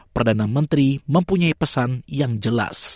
perdana menteri mempunyai pesan yang jelas